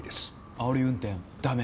あおり運転ダメ